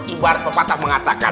ibarat bapak tak mengatakan